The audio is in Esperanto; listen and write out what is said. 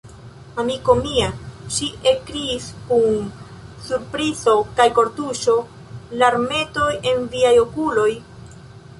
amiko mia, ŝi ekkriis kun surprizo kaj kortuŝo, larmetoj en viaj okuloj?